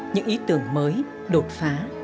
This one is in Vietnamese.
những ý tưởng mới đột phá